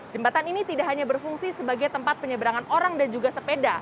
jembatan ini tidak hanya berfungsi sebagai tempat penyeberangan orang dan juga sepeda